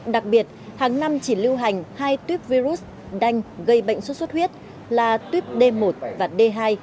đặc biệt tháng năm chỉ lưu hành hai tuyếp virus đanh gây bệnh suốt suốt huyết là tuyếp d một và d hai